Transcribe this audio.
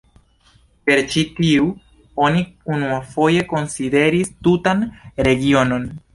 Per ĉi tiu oni unuafoje konsideris tutan regionon.